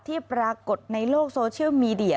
ที่ปรากฏในโลกโซเชียลมีเดีย